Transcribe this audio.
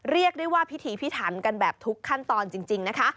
เรียกได้ว่าพิธีพิถันกันแบบทุกขั้นตอนจริงนะคะ